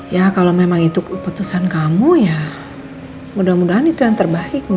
ya kalau memang itu keputusan kamu ya mudah mudahan itu yang terbaik